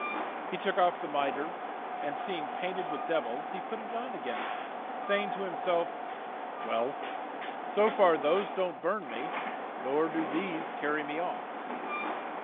He took off the mitre, and seeing painted with devils he put it on again, saying to himself, "Well, so far those don't burn me nor do these carry me off."